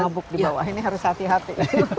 jadi mabuk di bawah ini harus hati hati